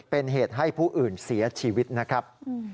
เป็นเหตุให้ผู้อื่นเสียชีวิตนะครับ